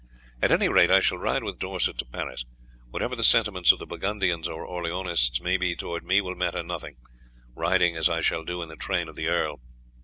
At any rate I shall ride with Dorset to Paris; whatever the sentiments of the Burgundians or Orleanists may be towards me will matter nothing, riding as I shall do in the train of the earl.